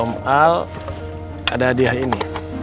om al ada hadiah ini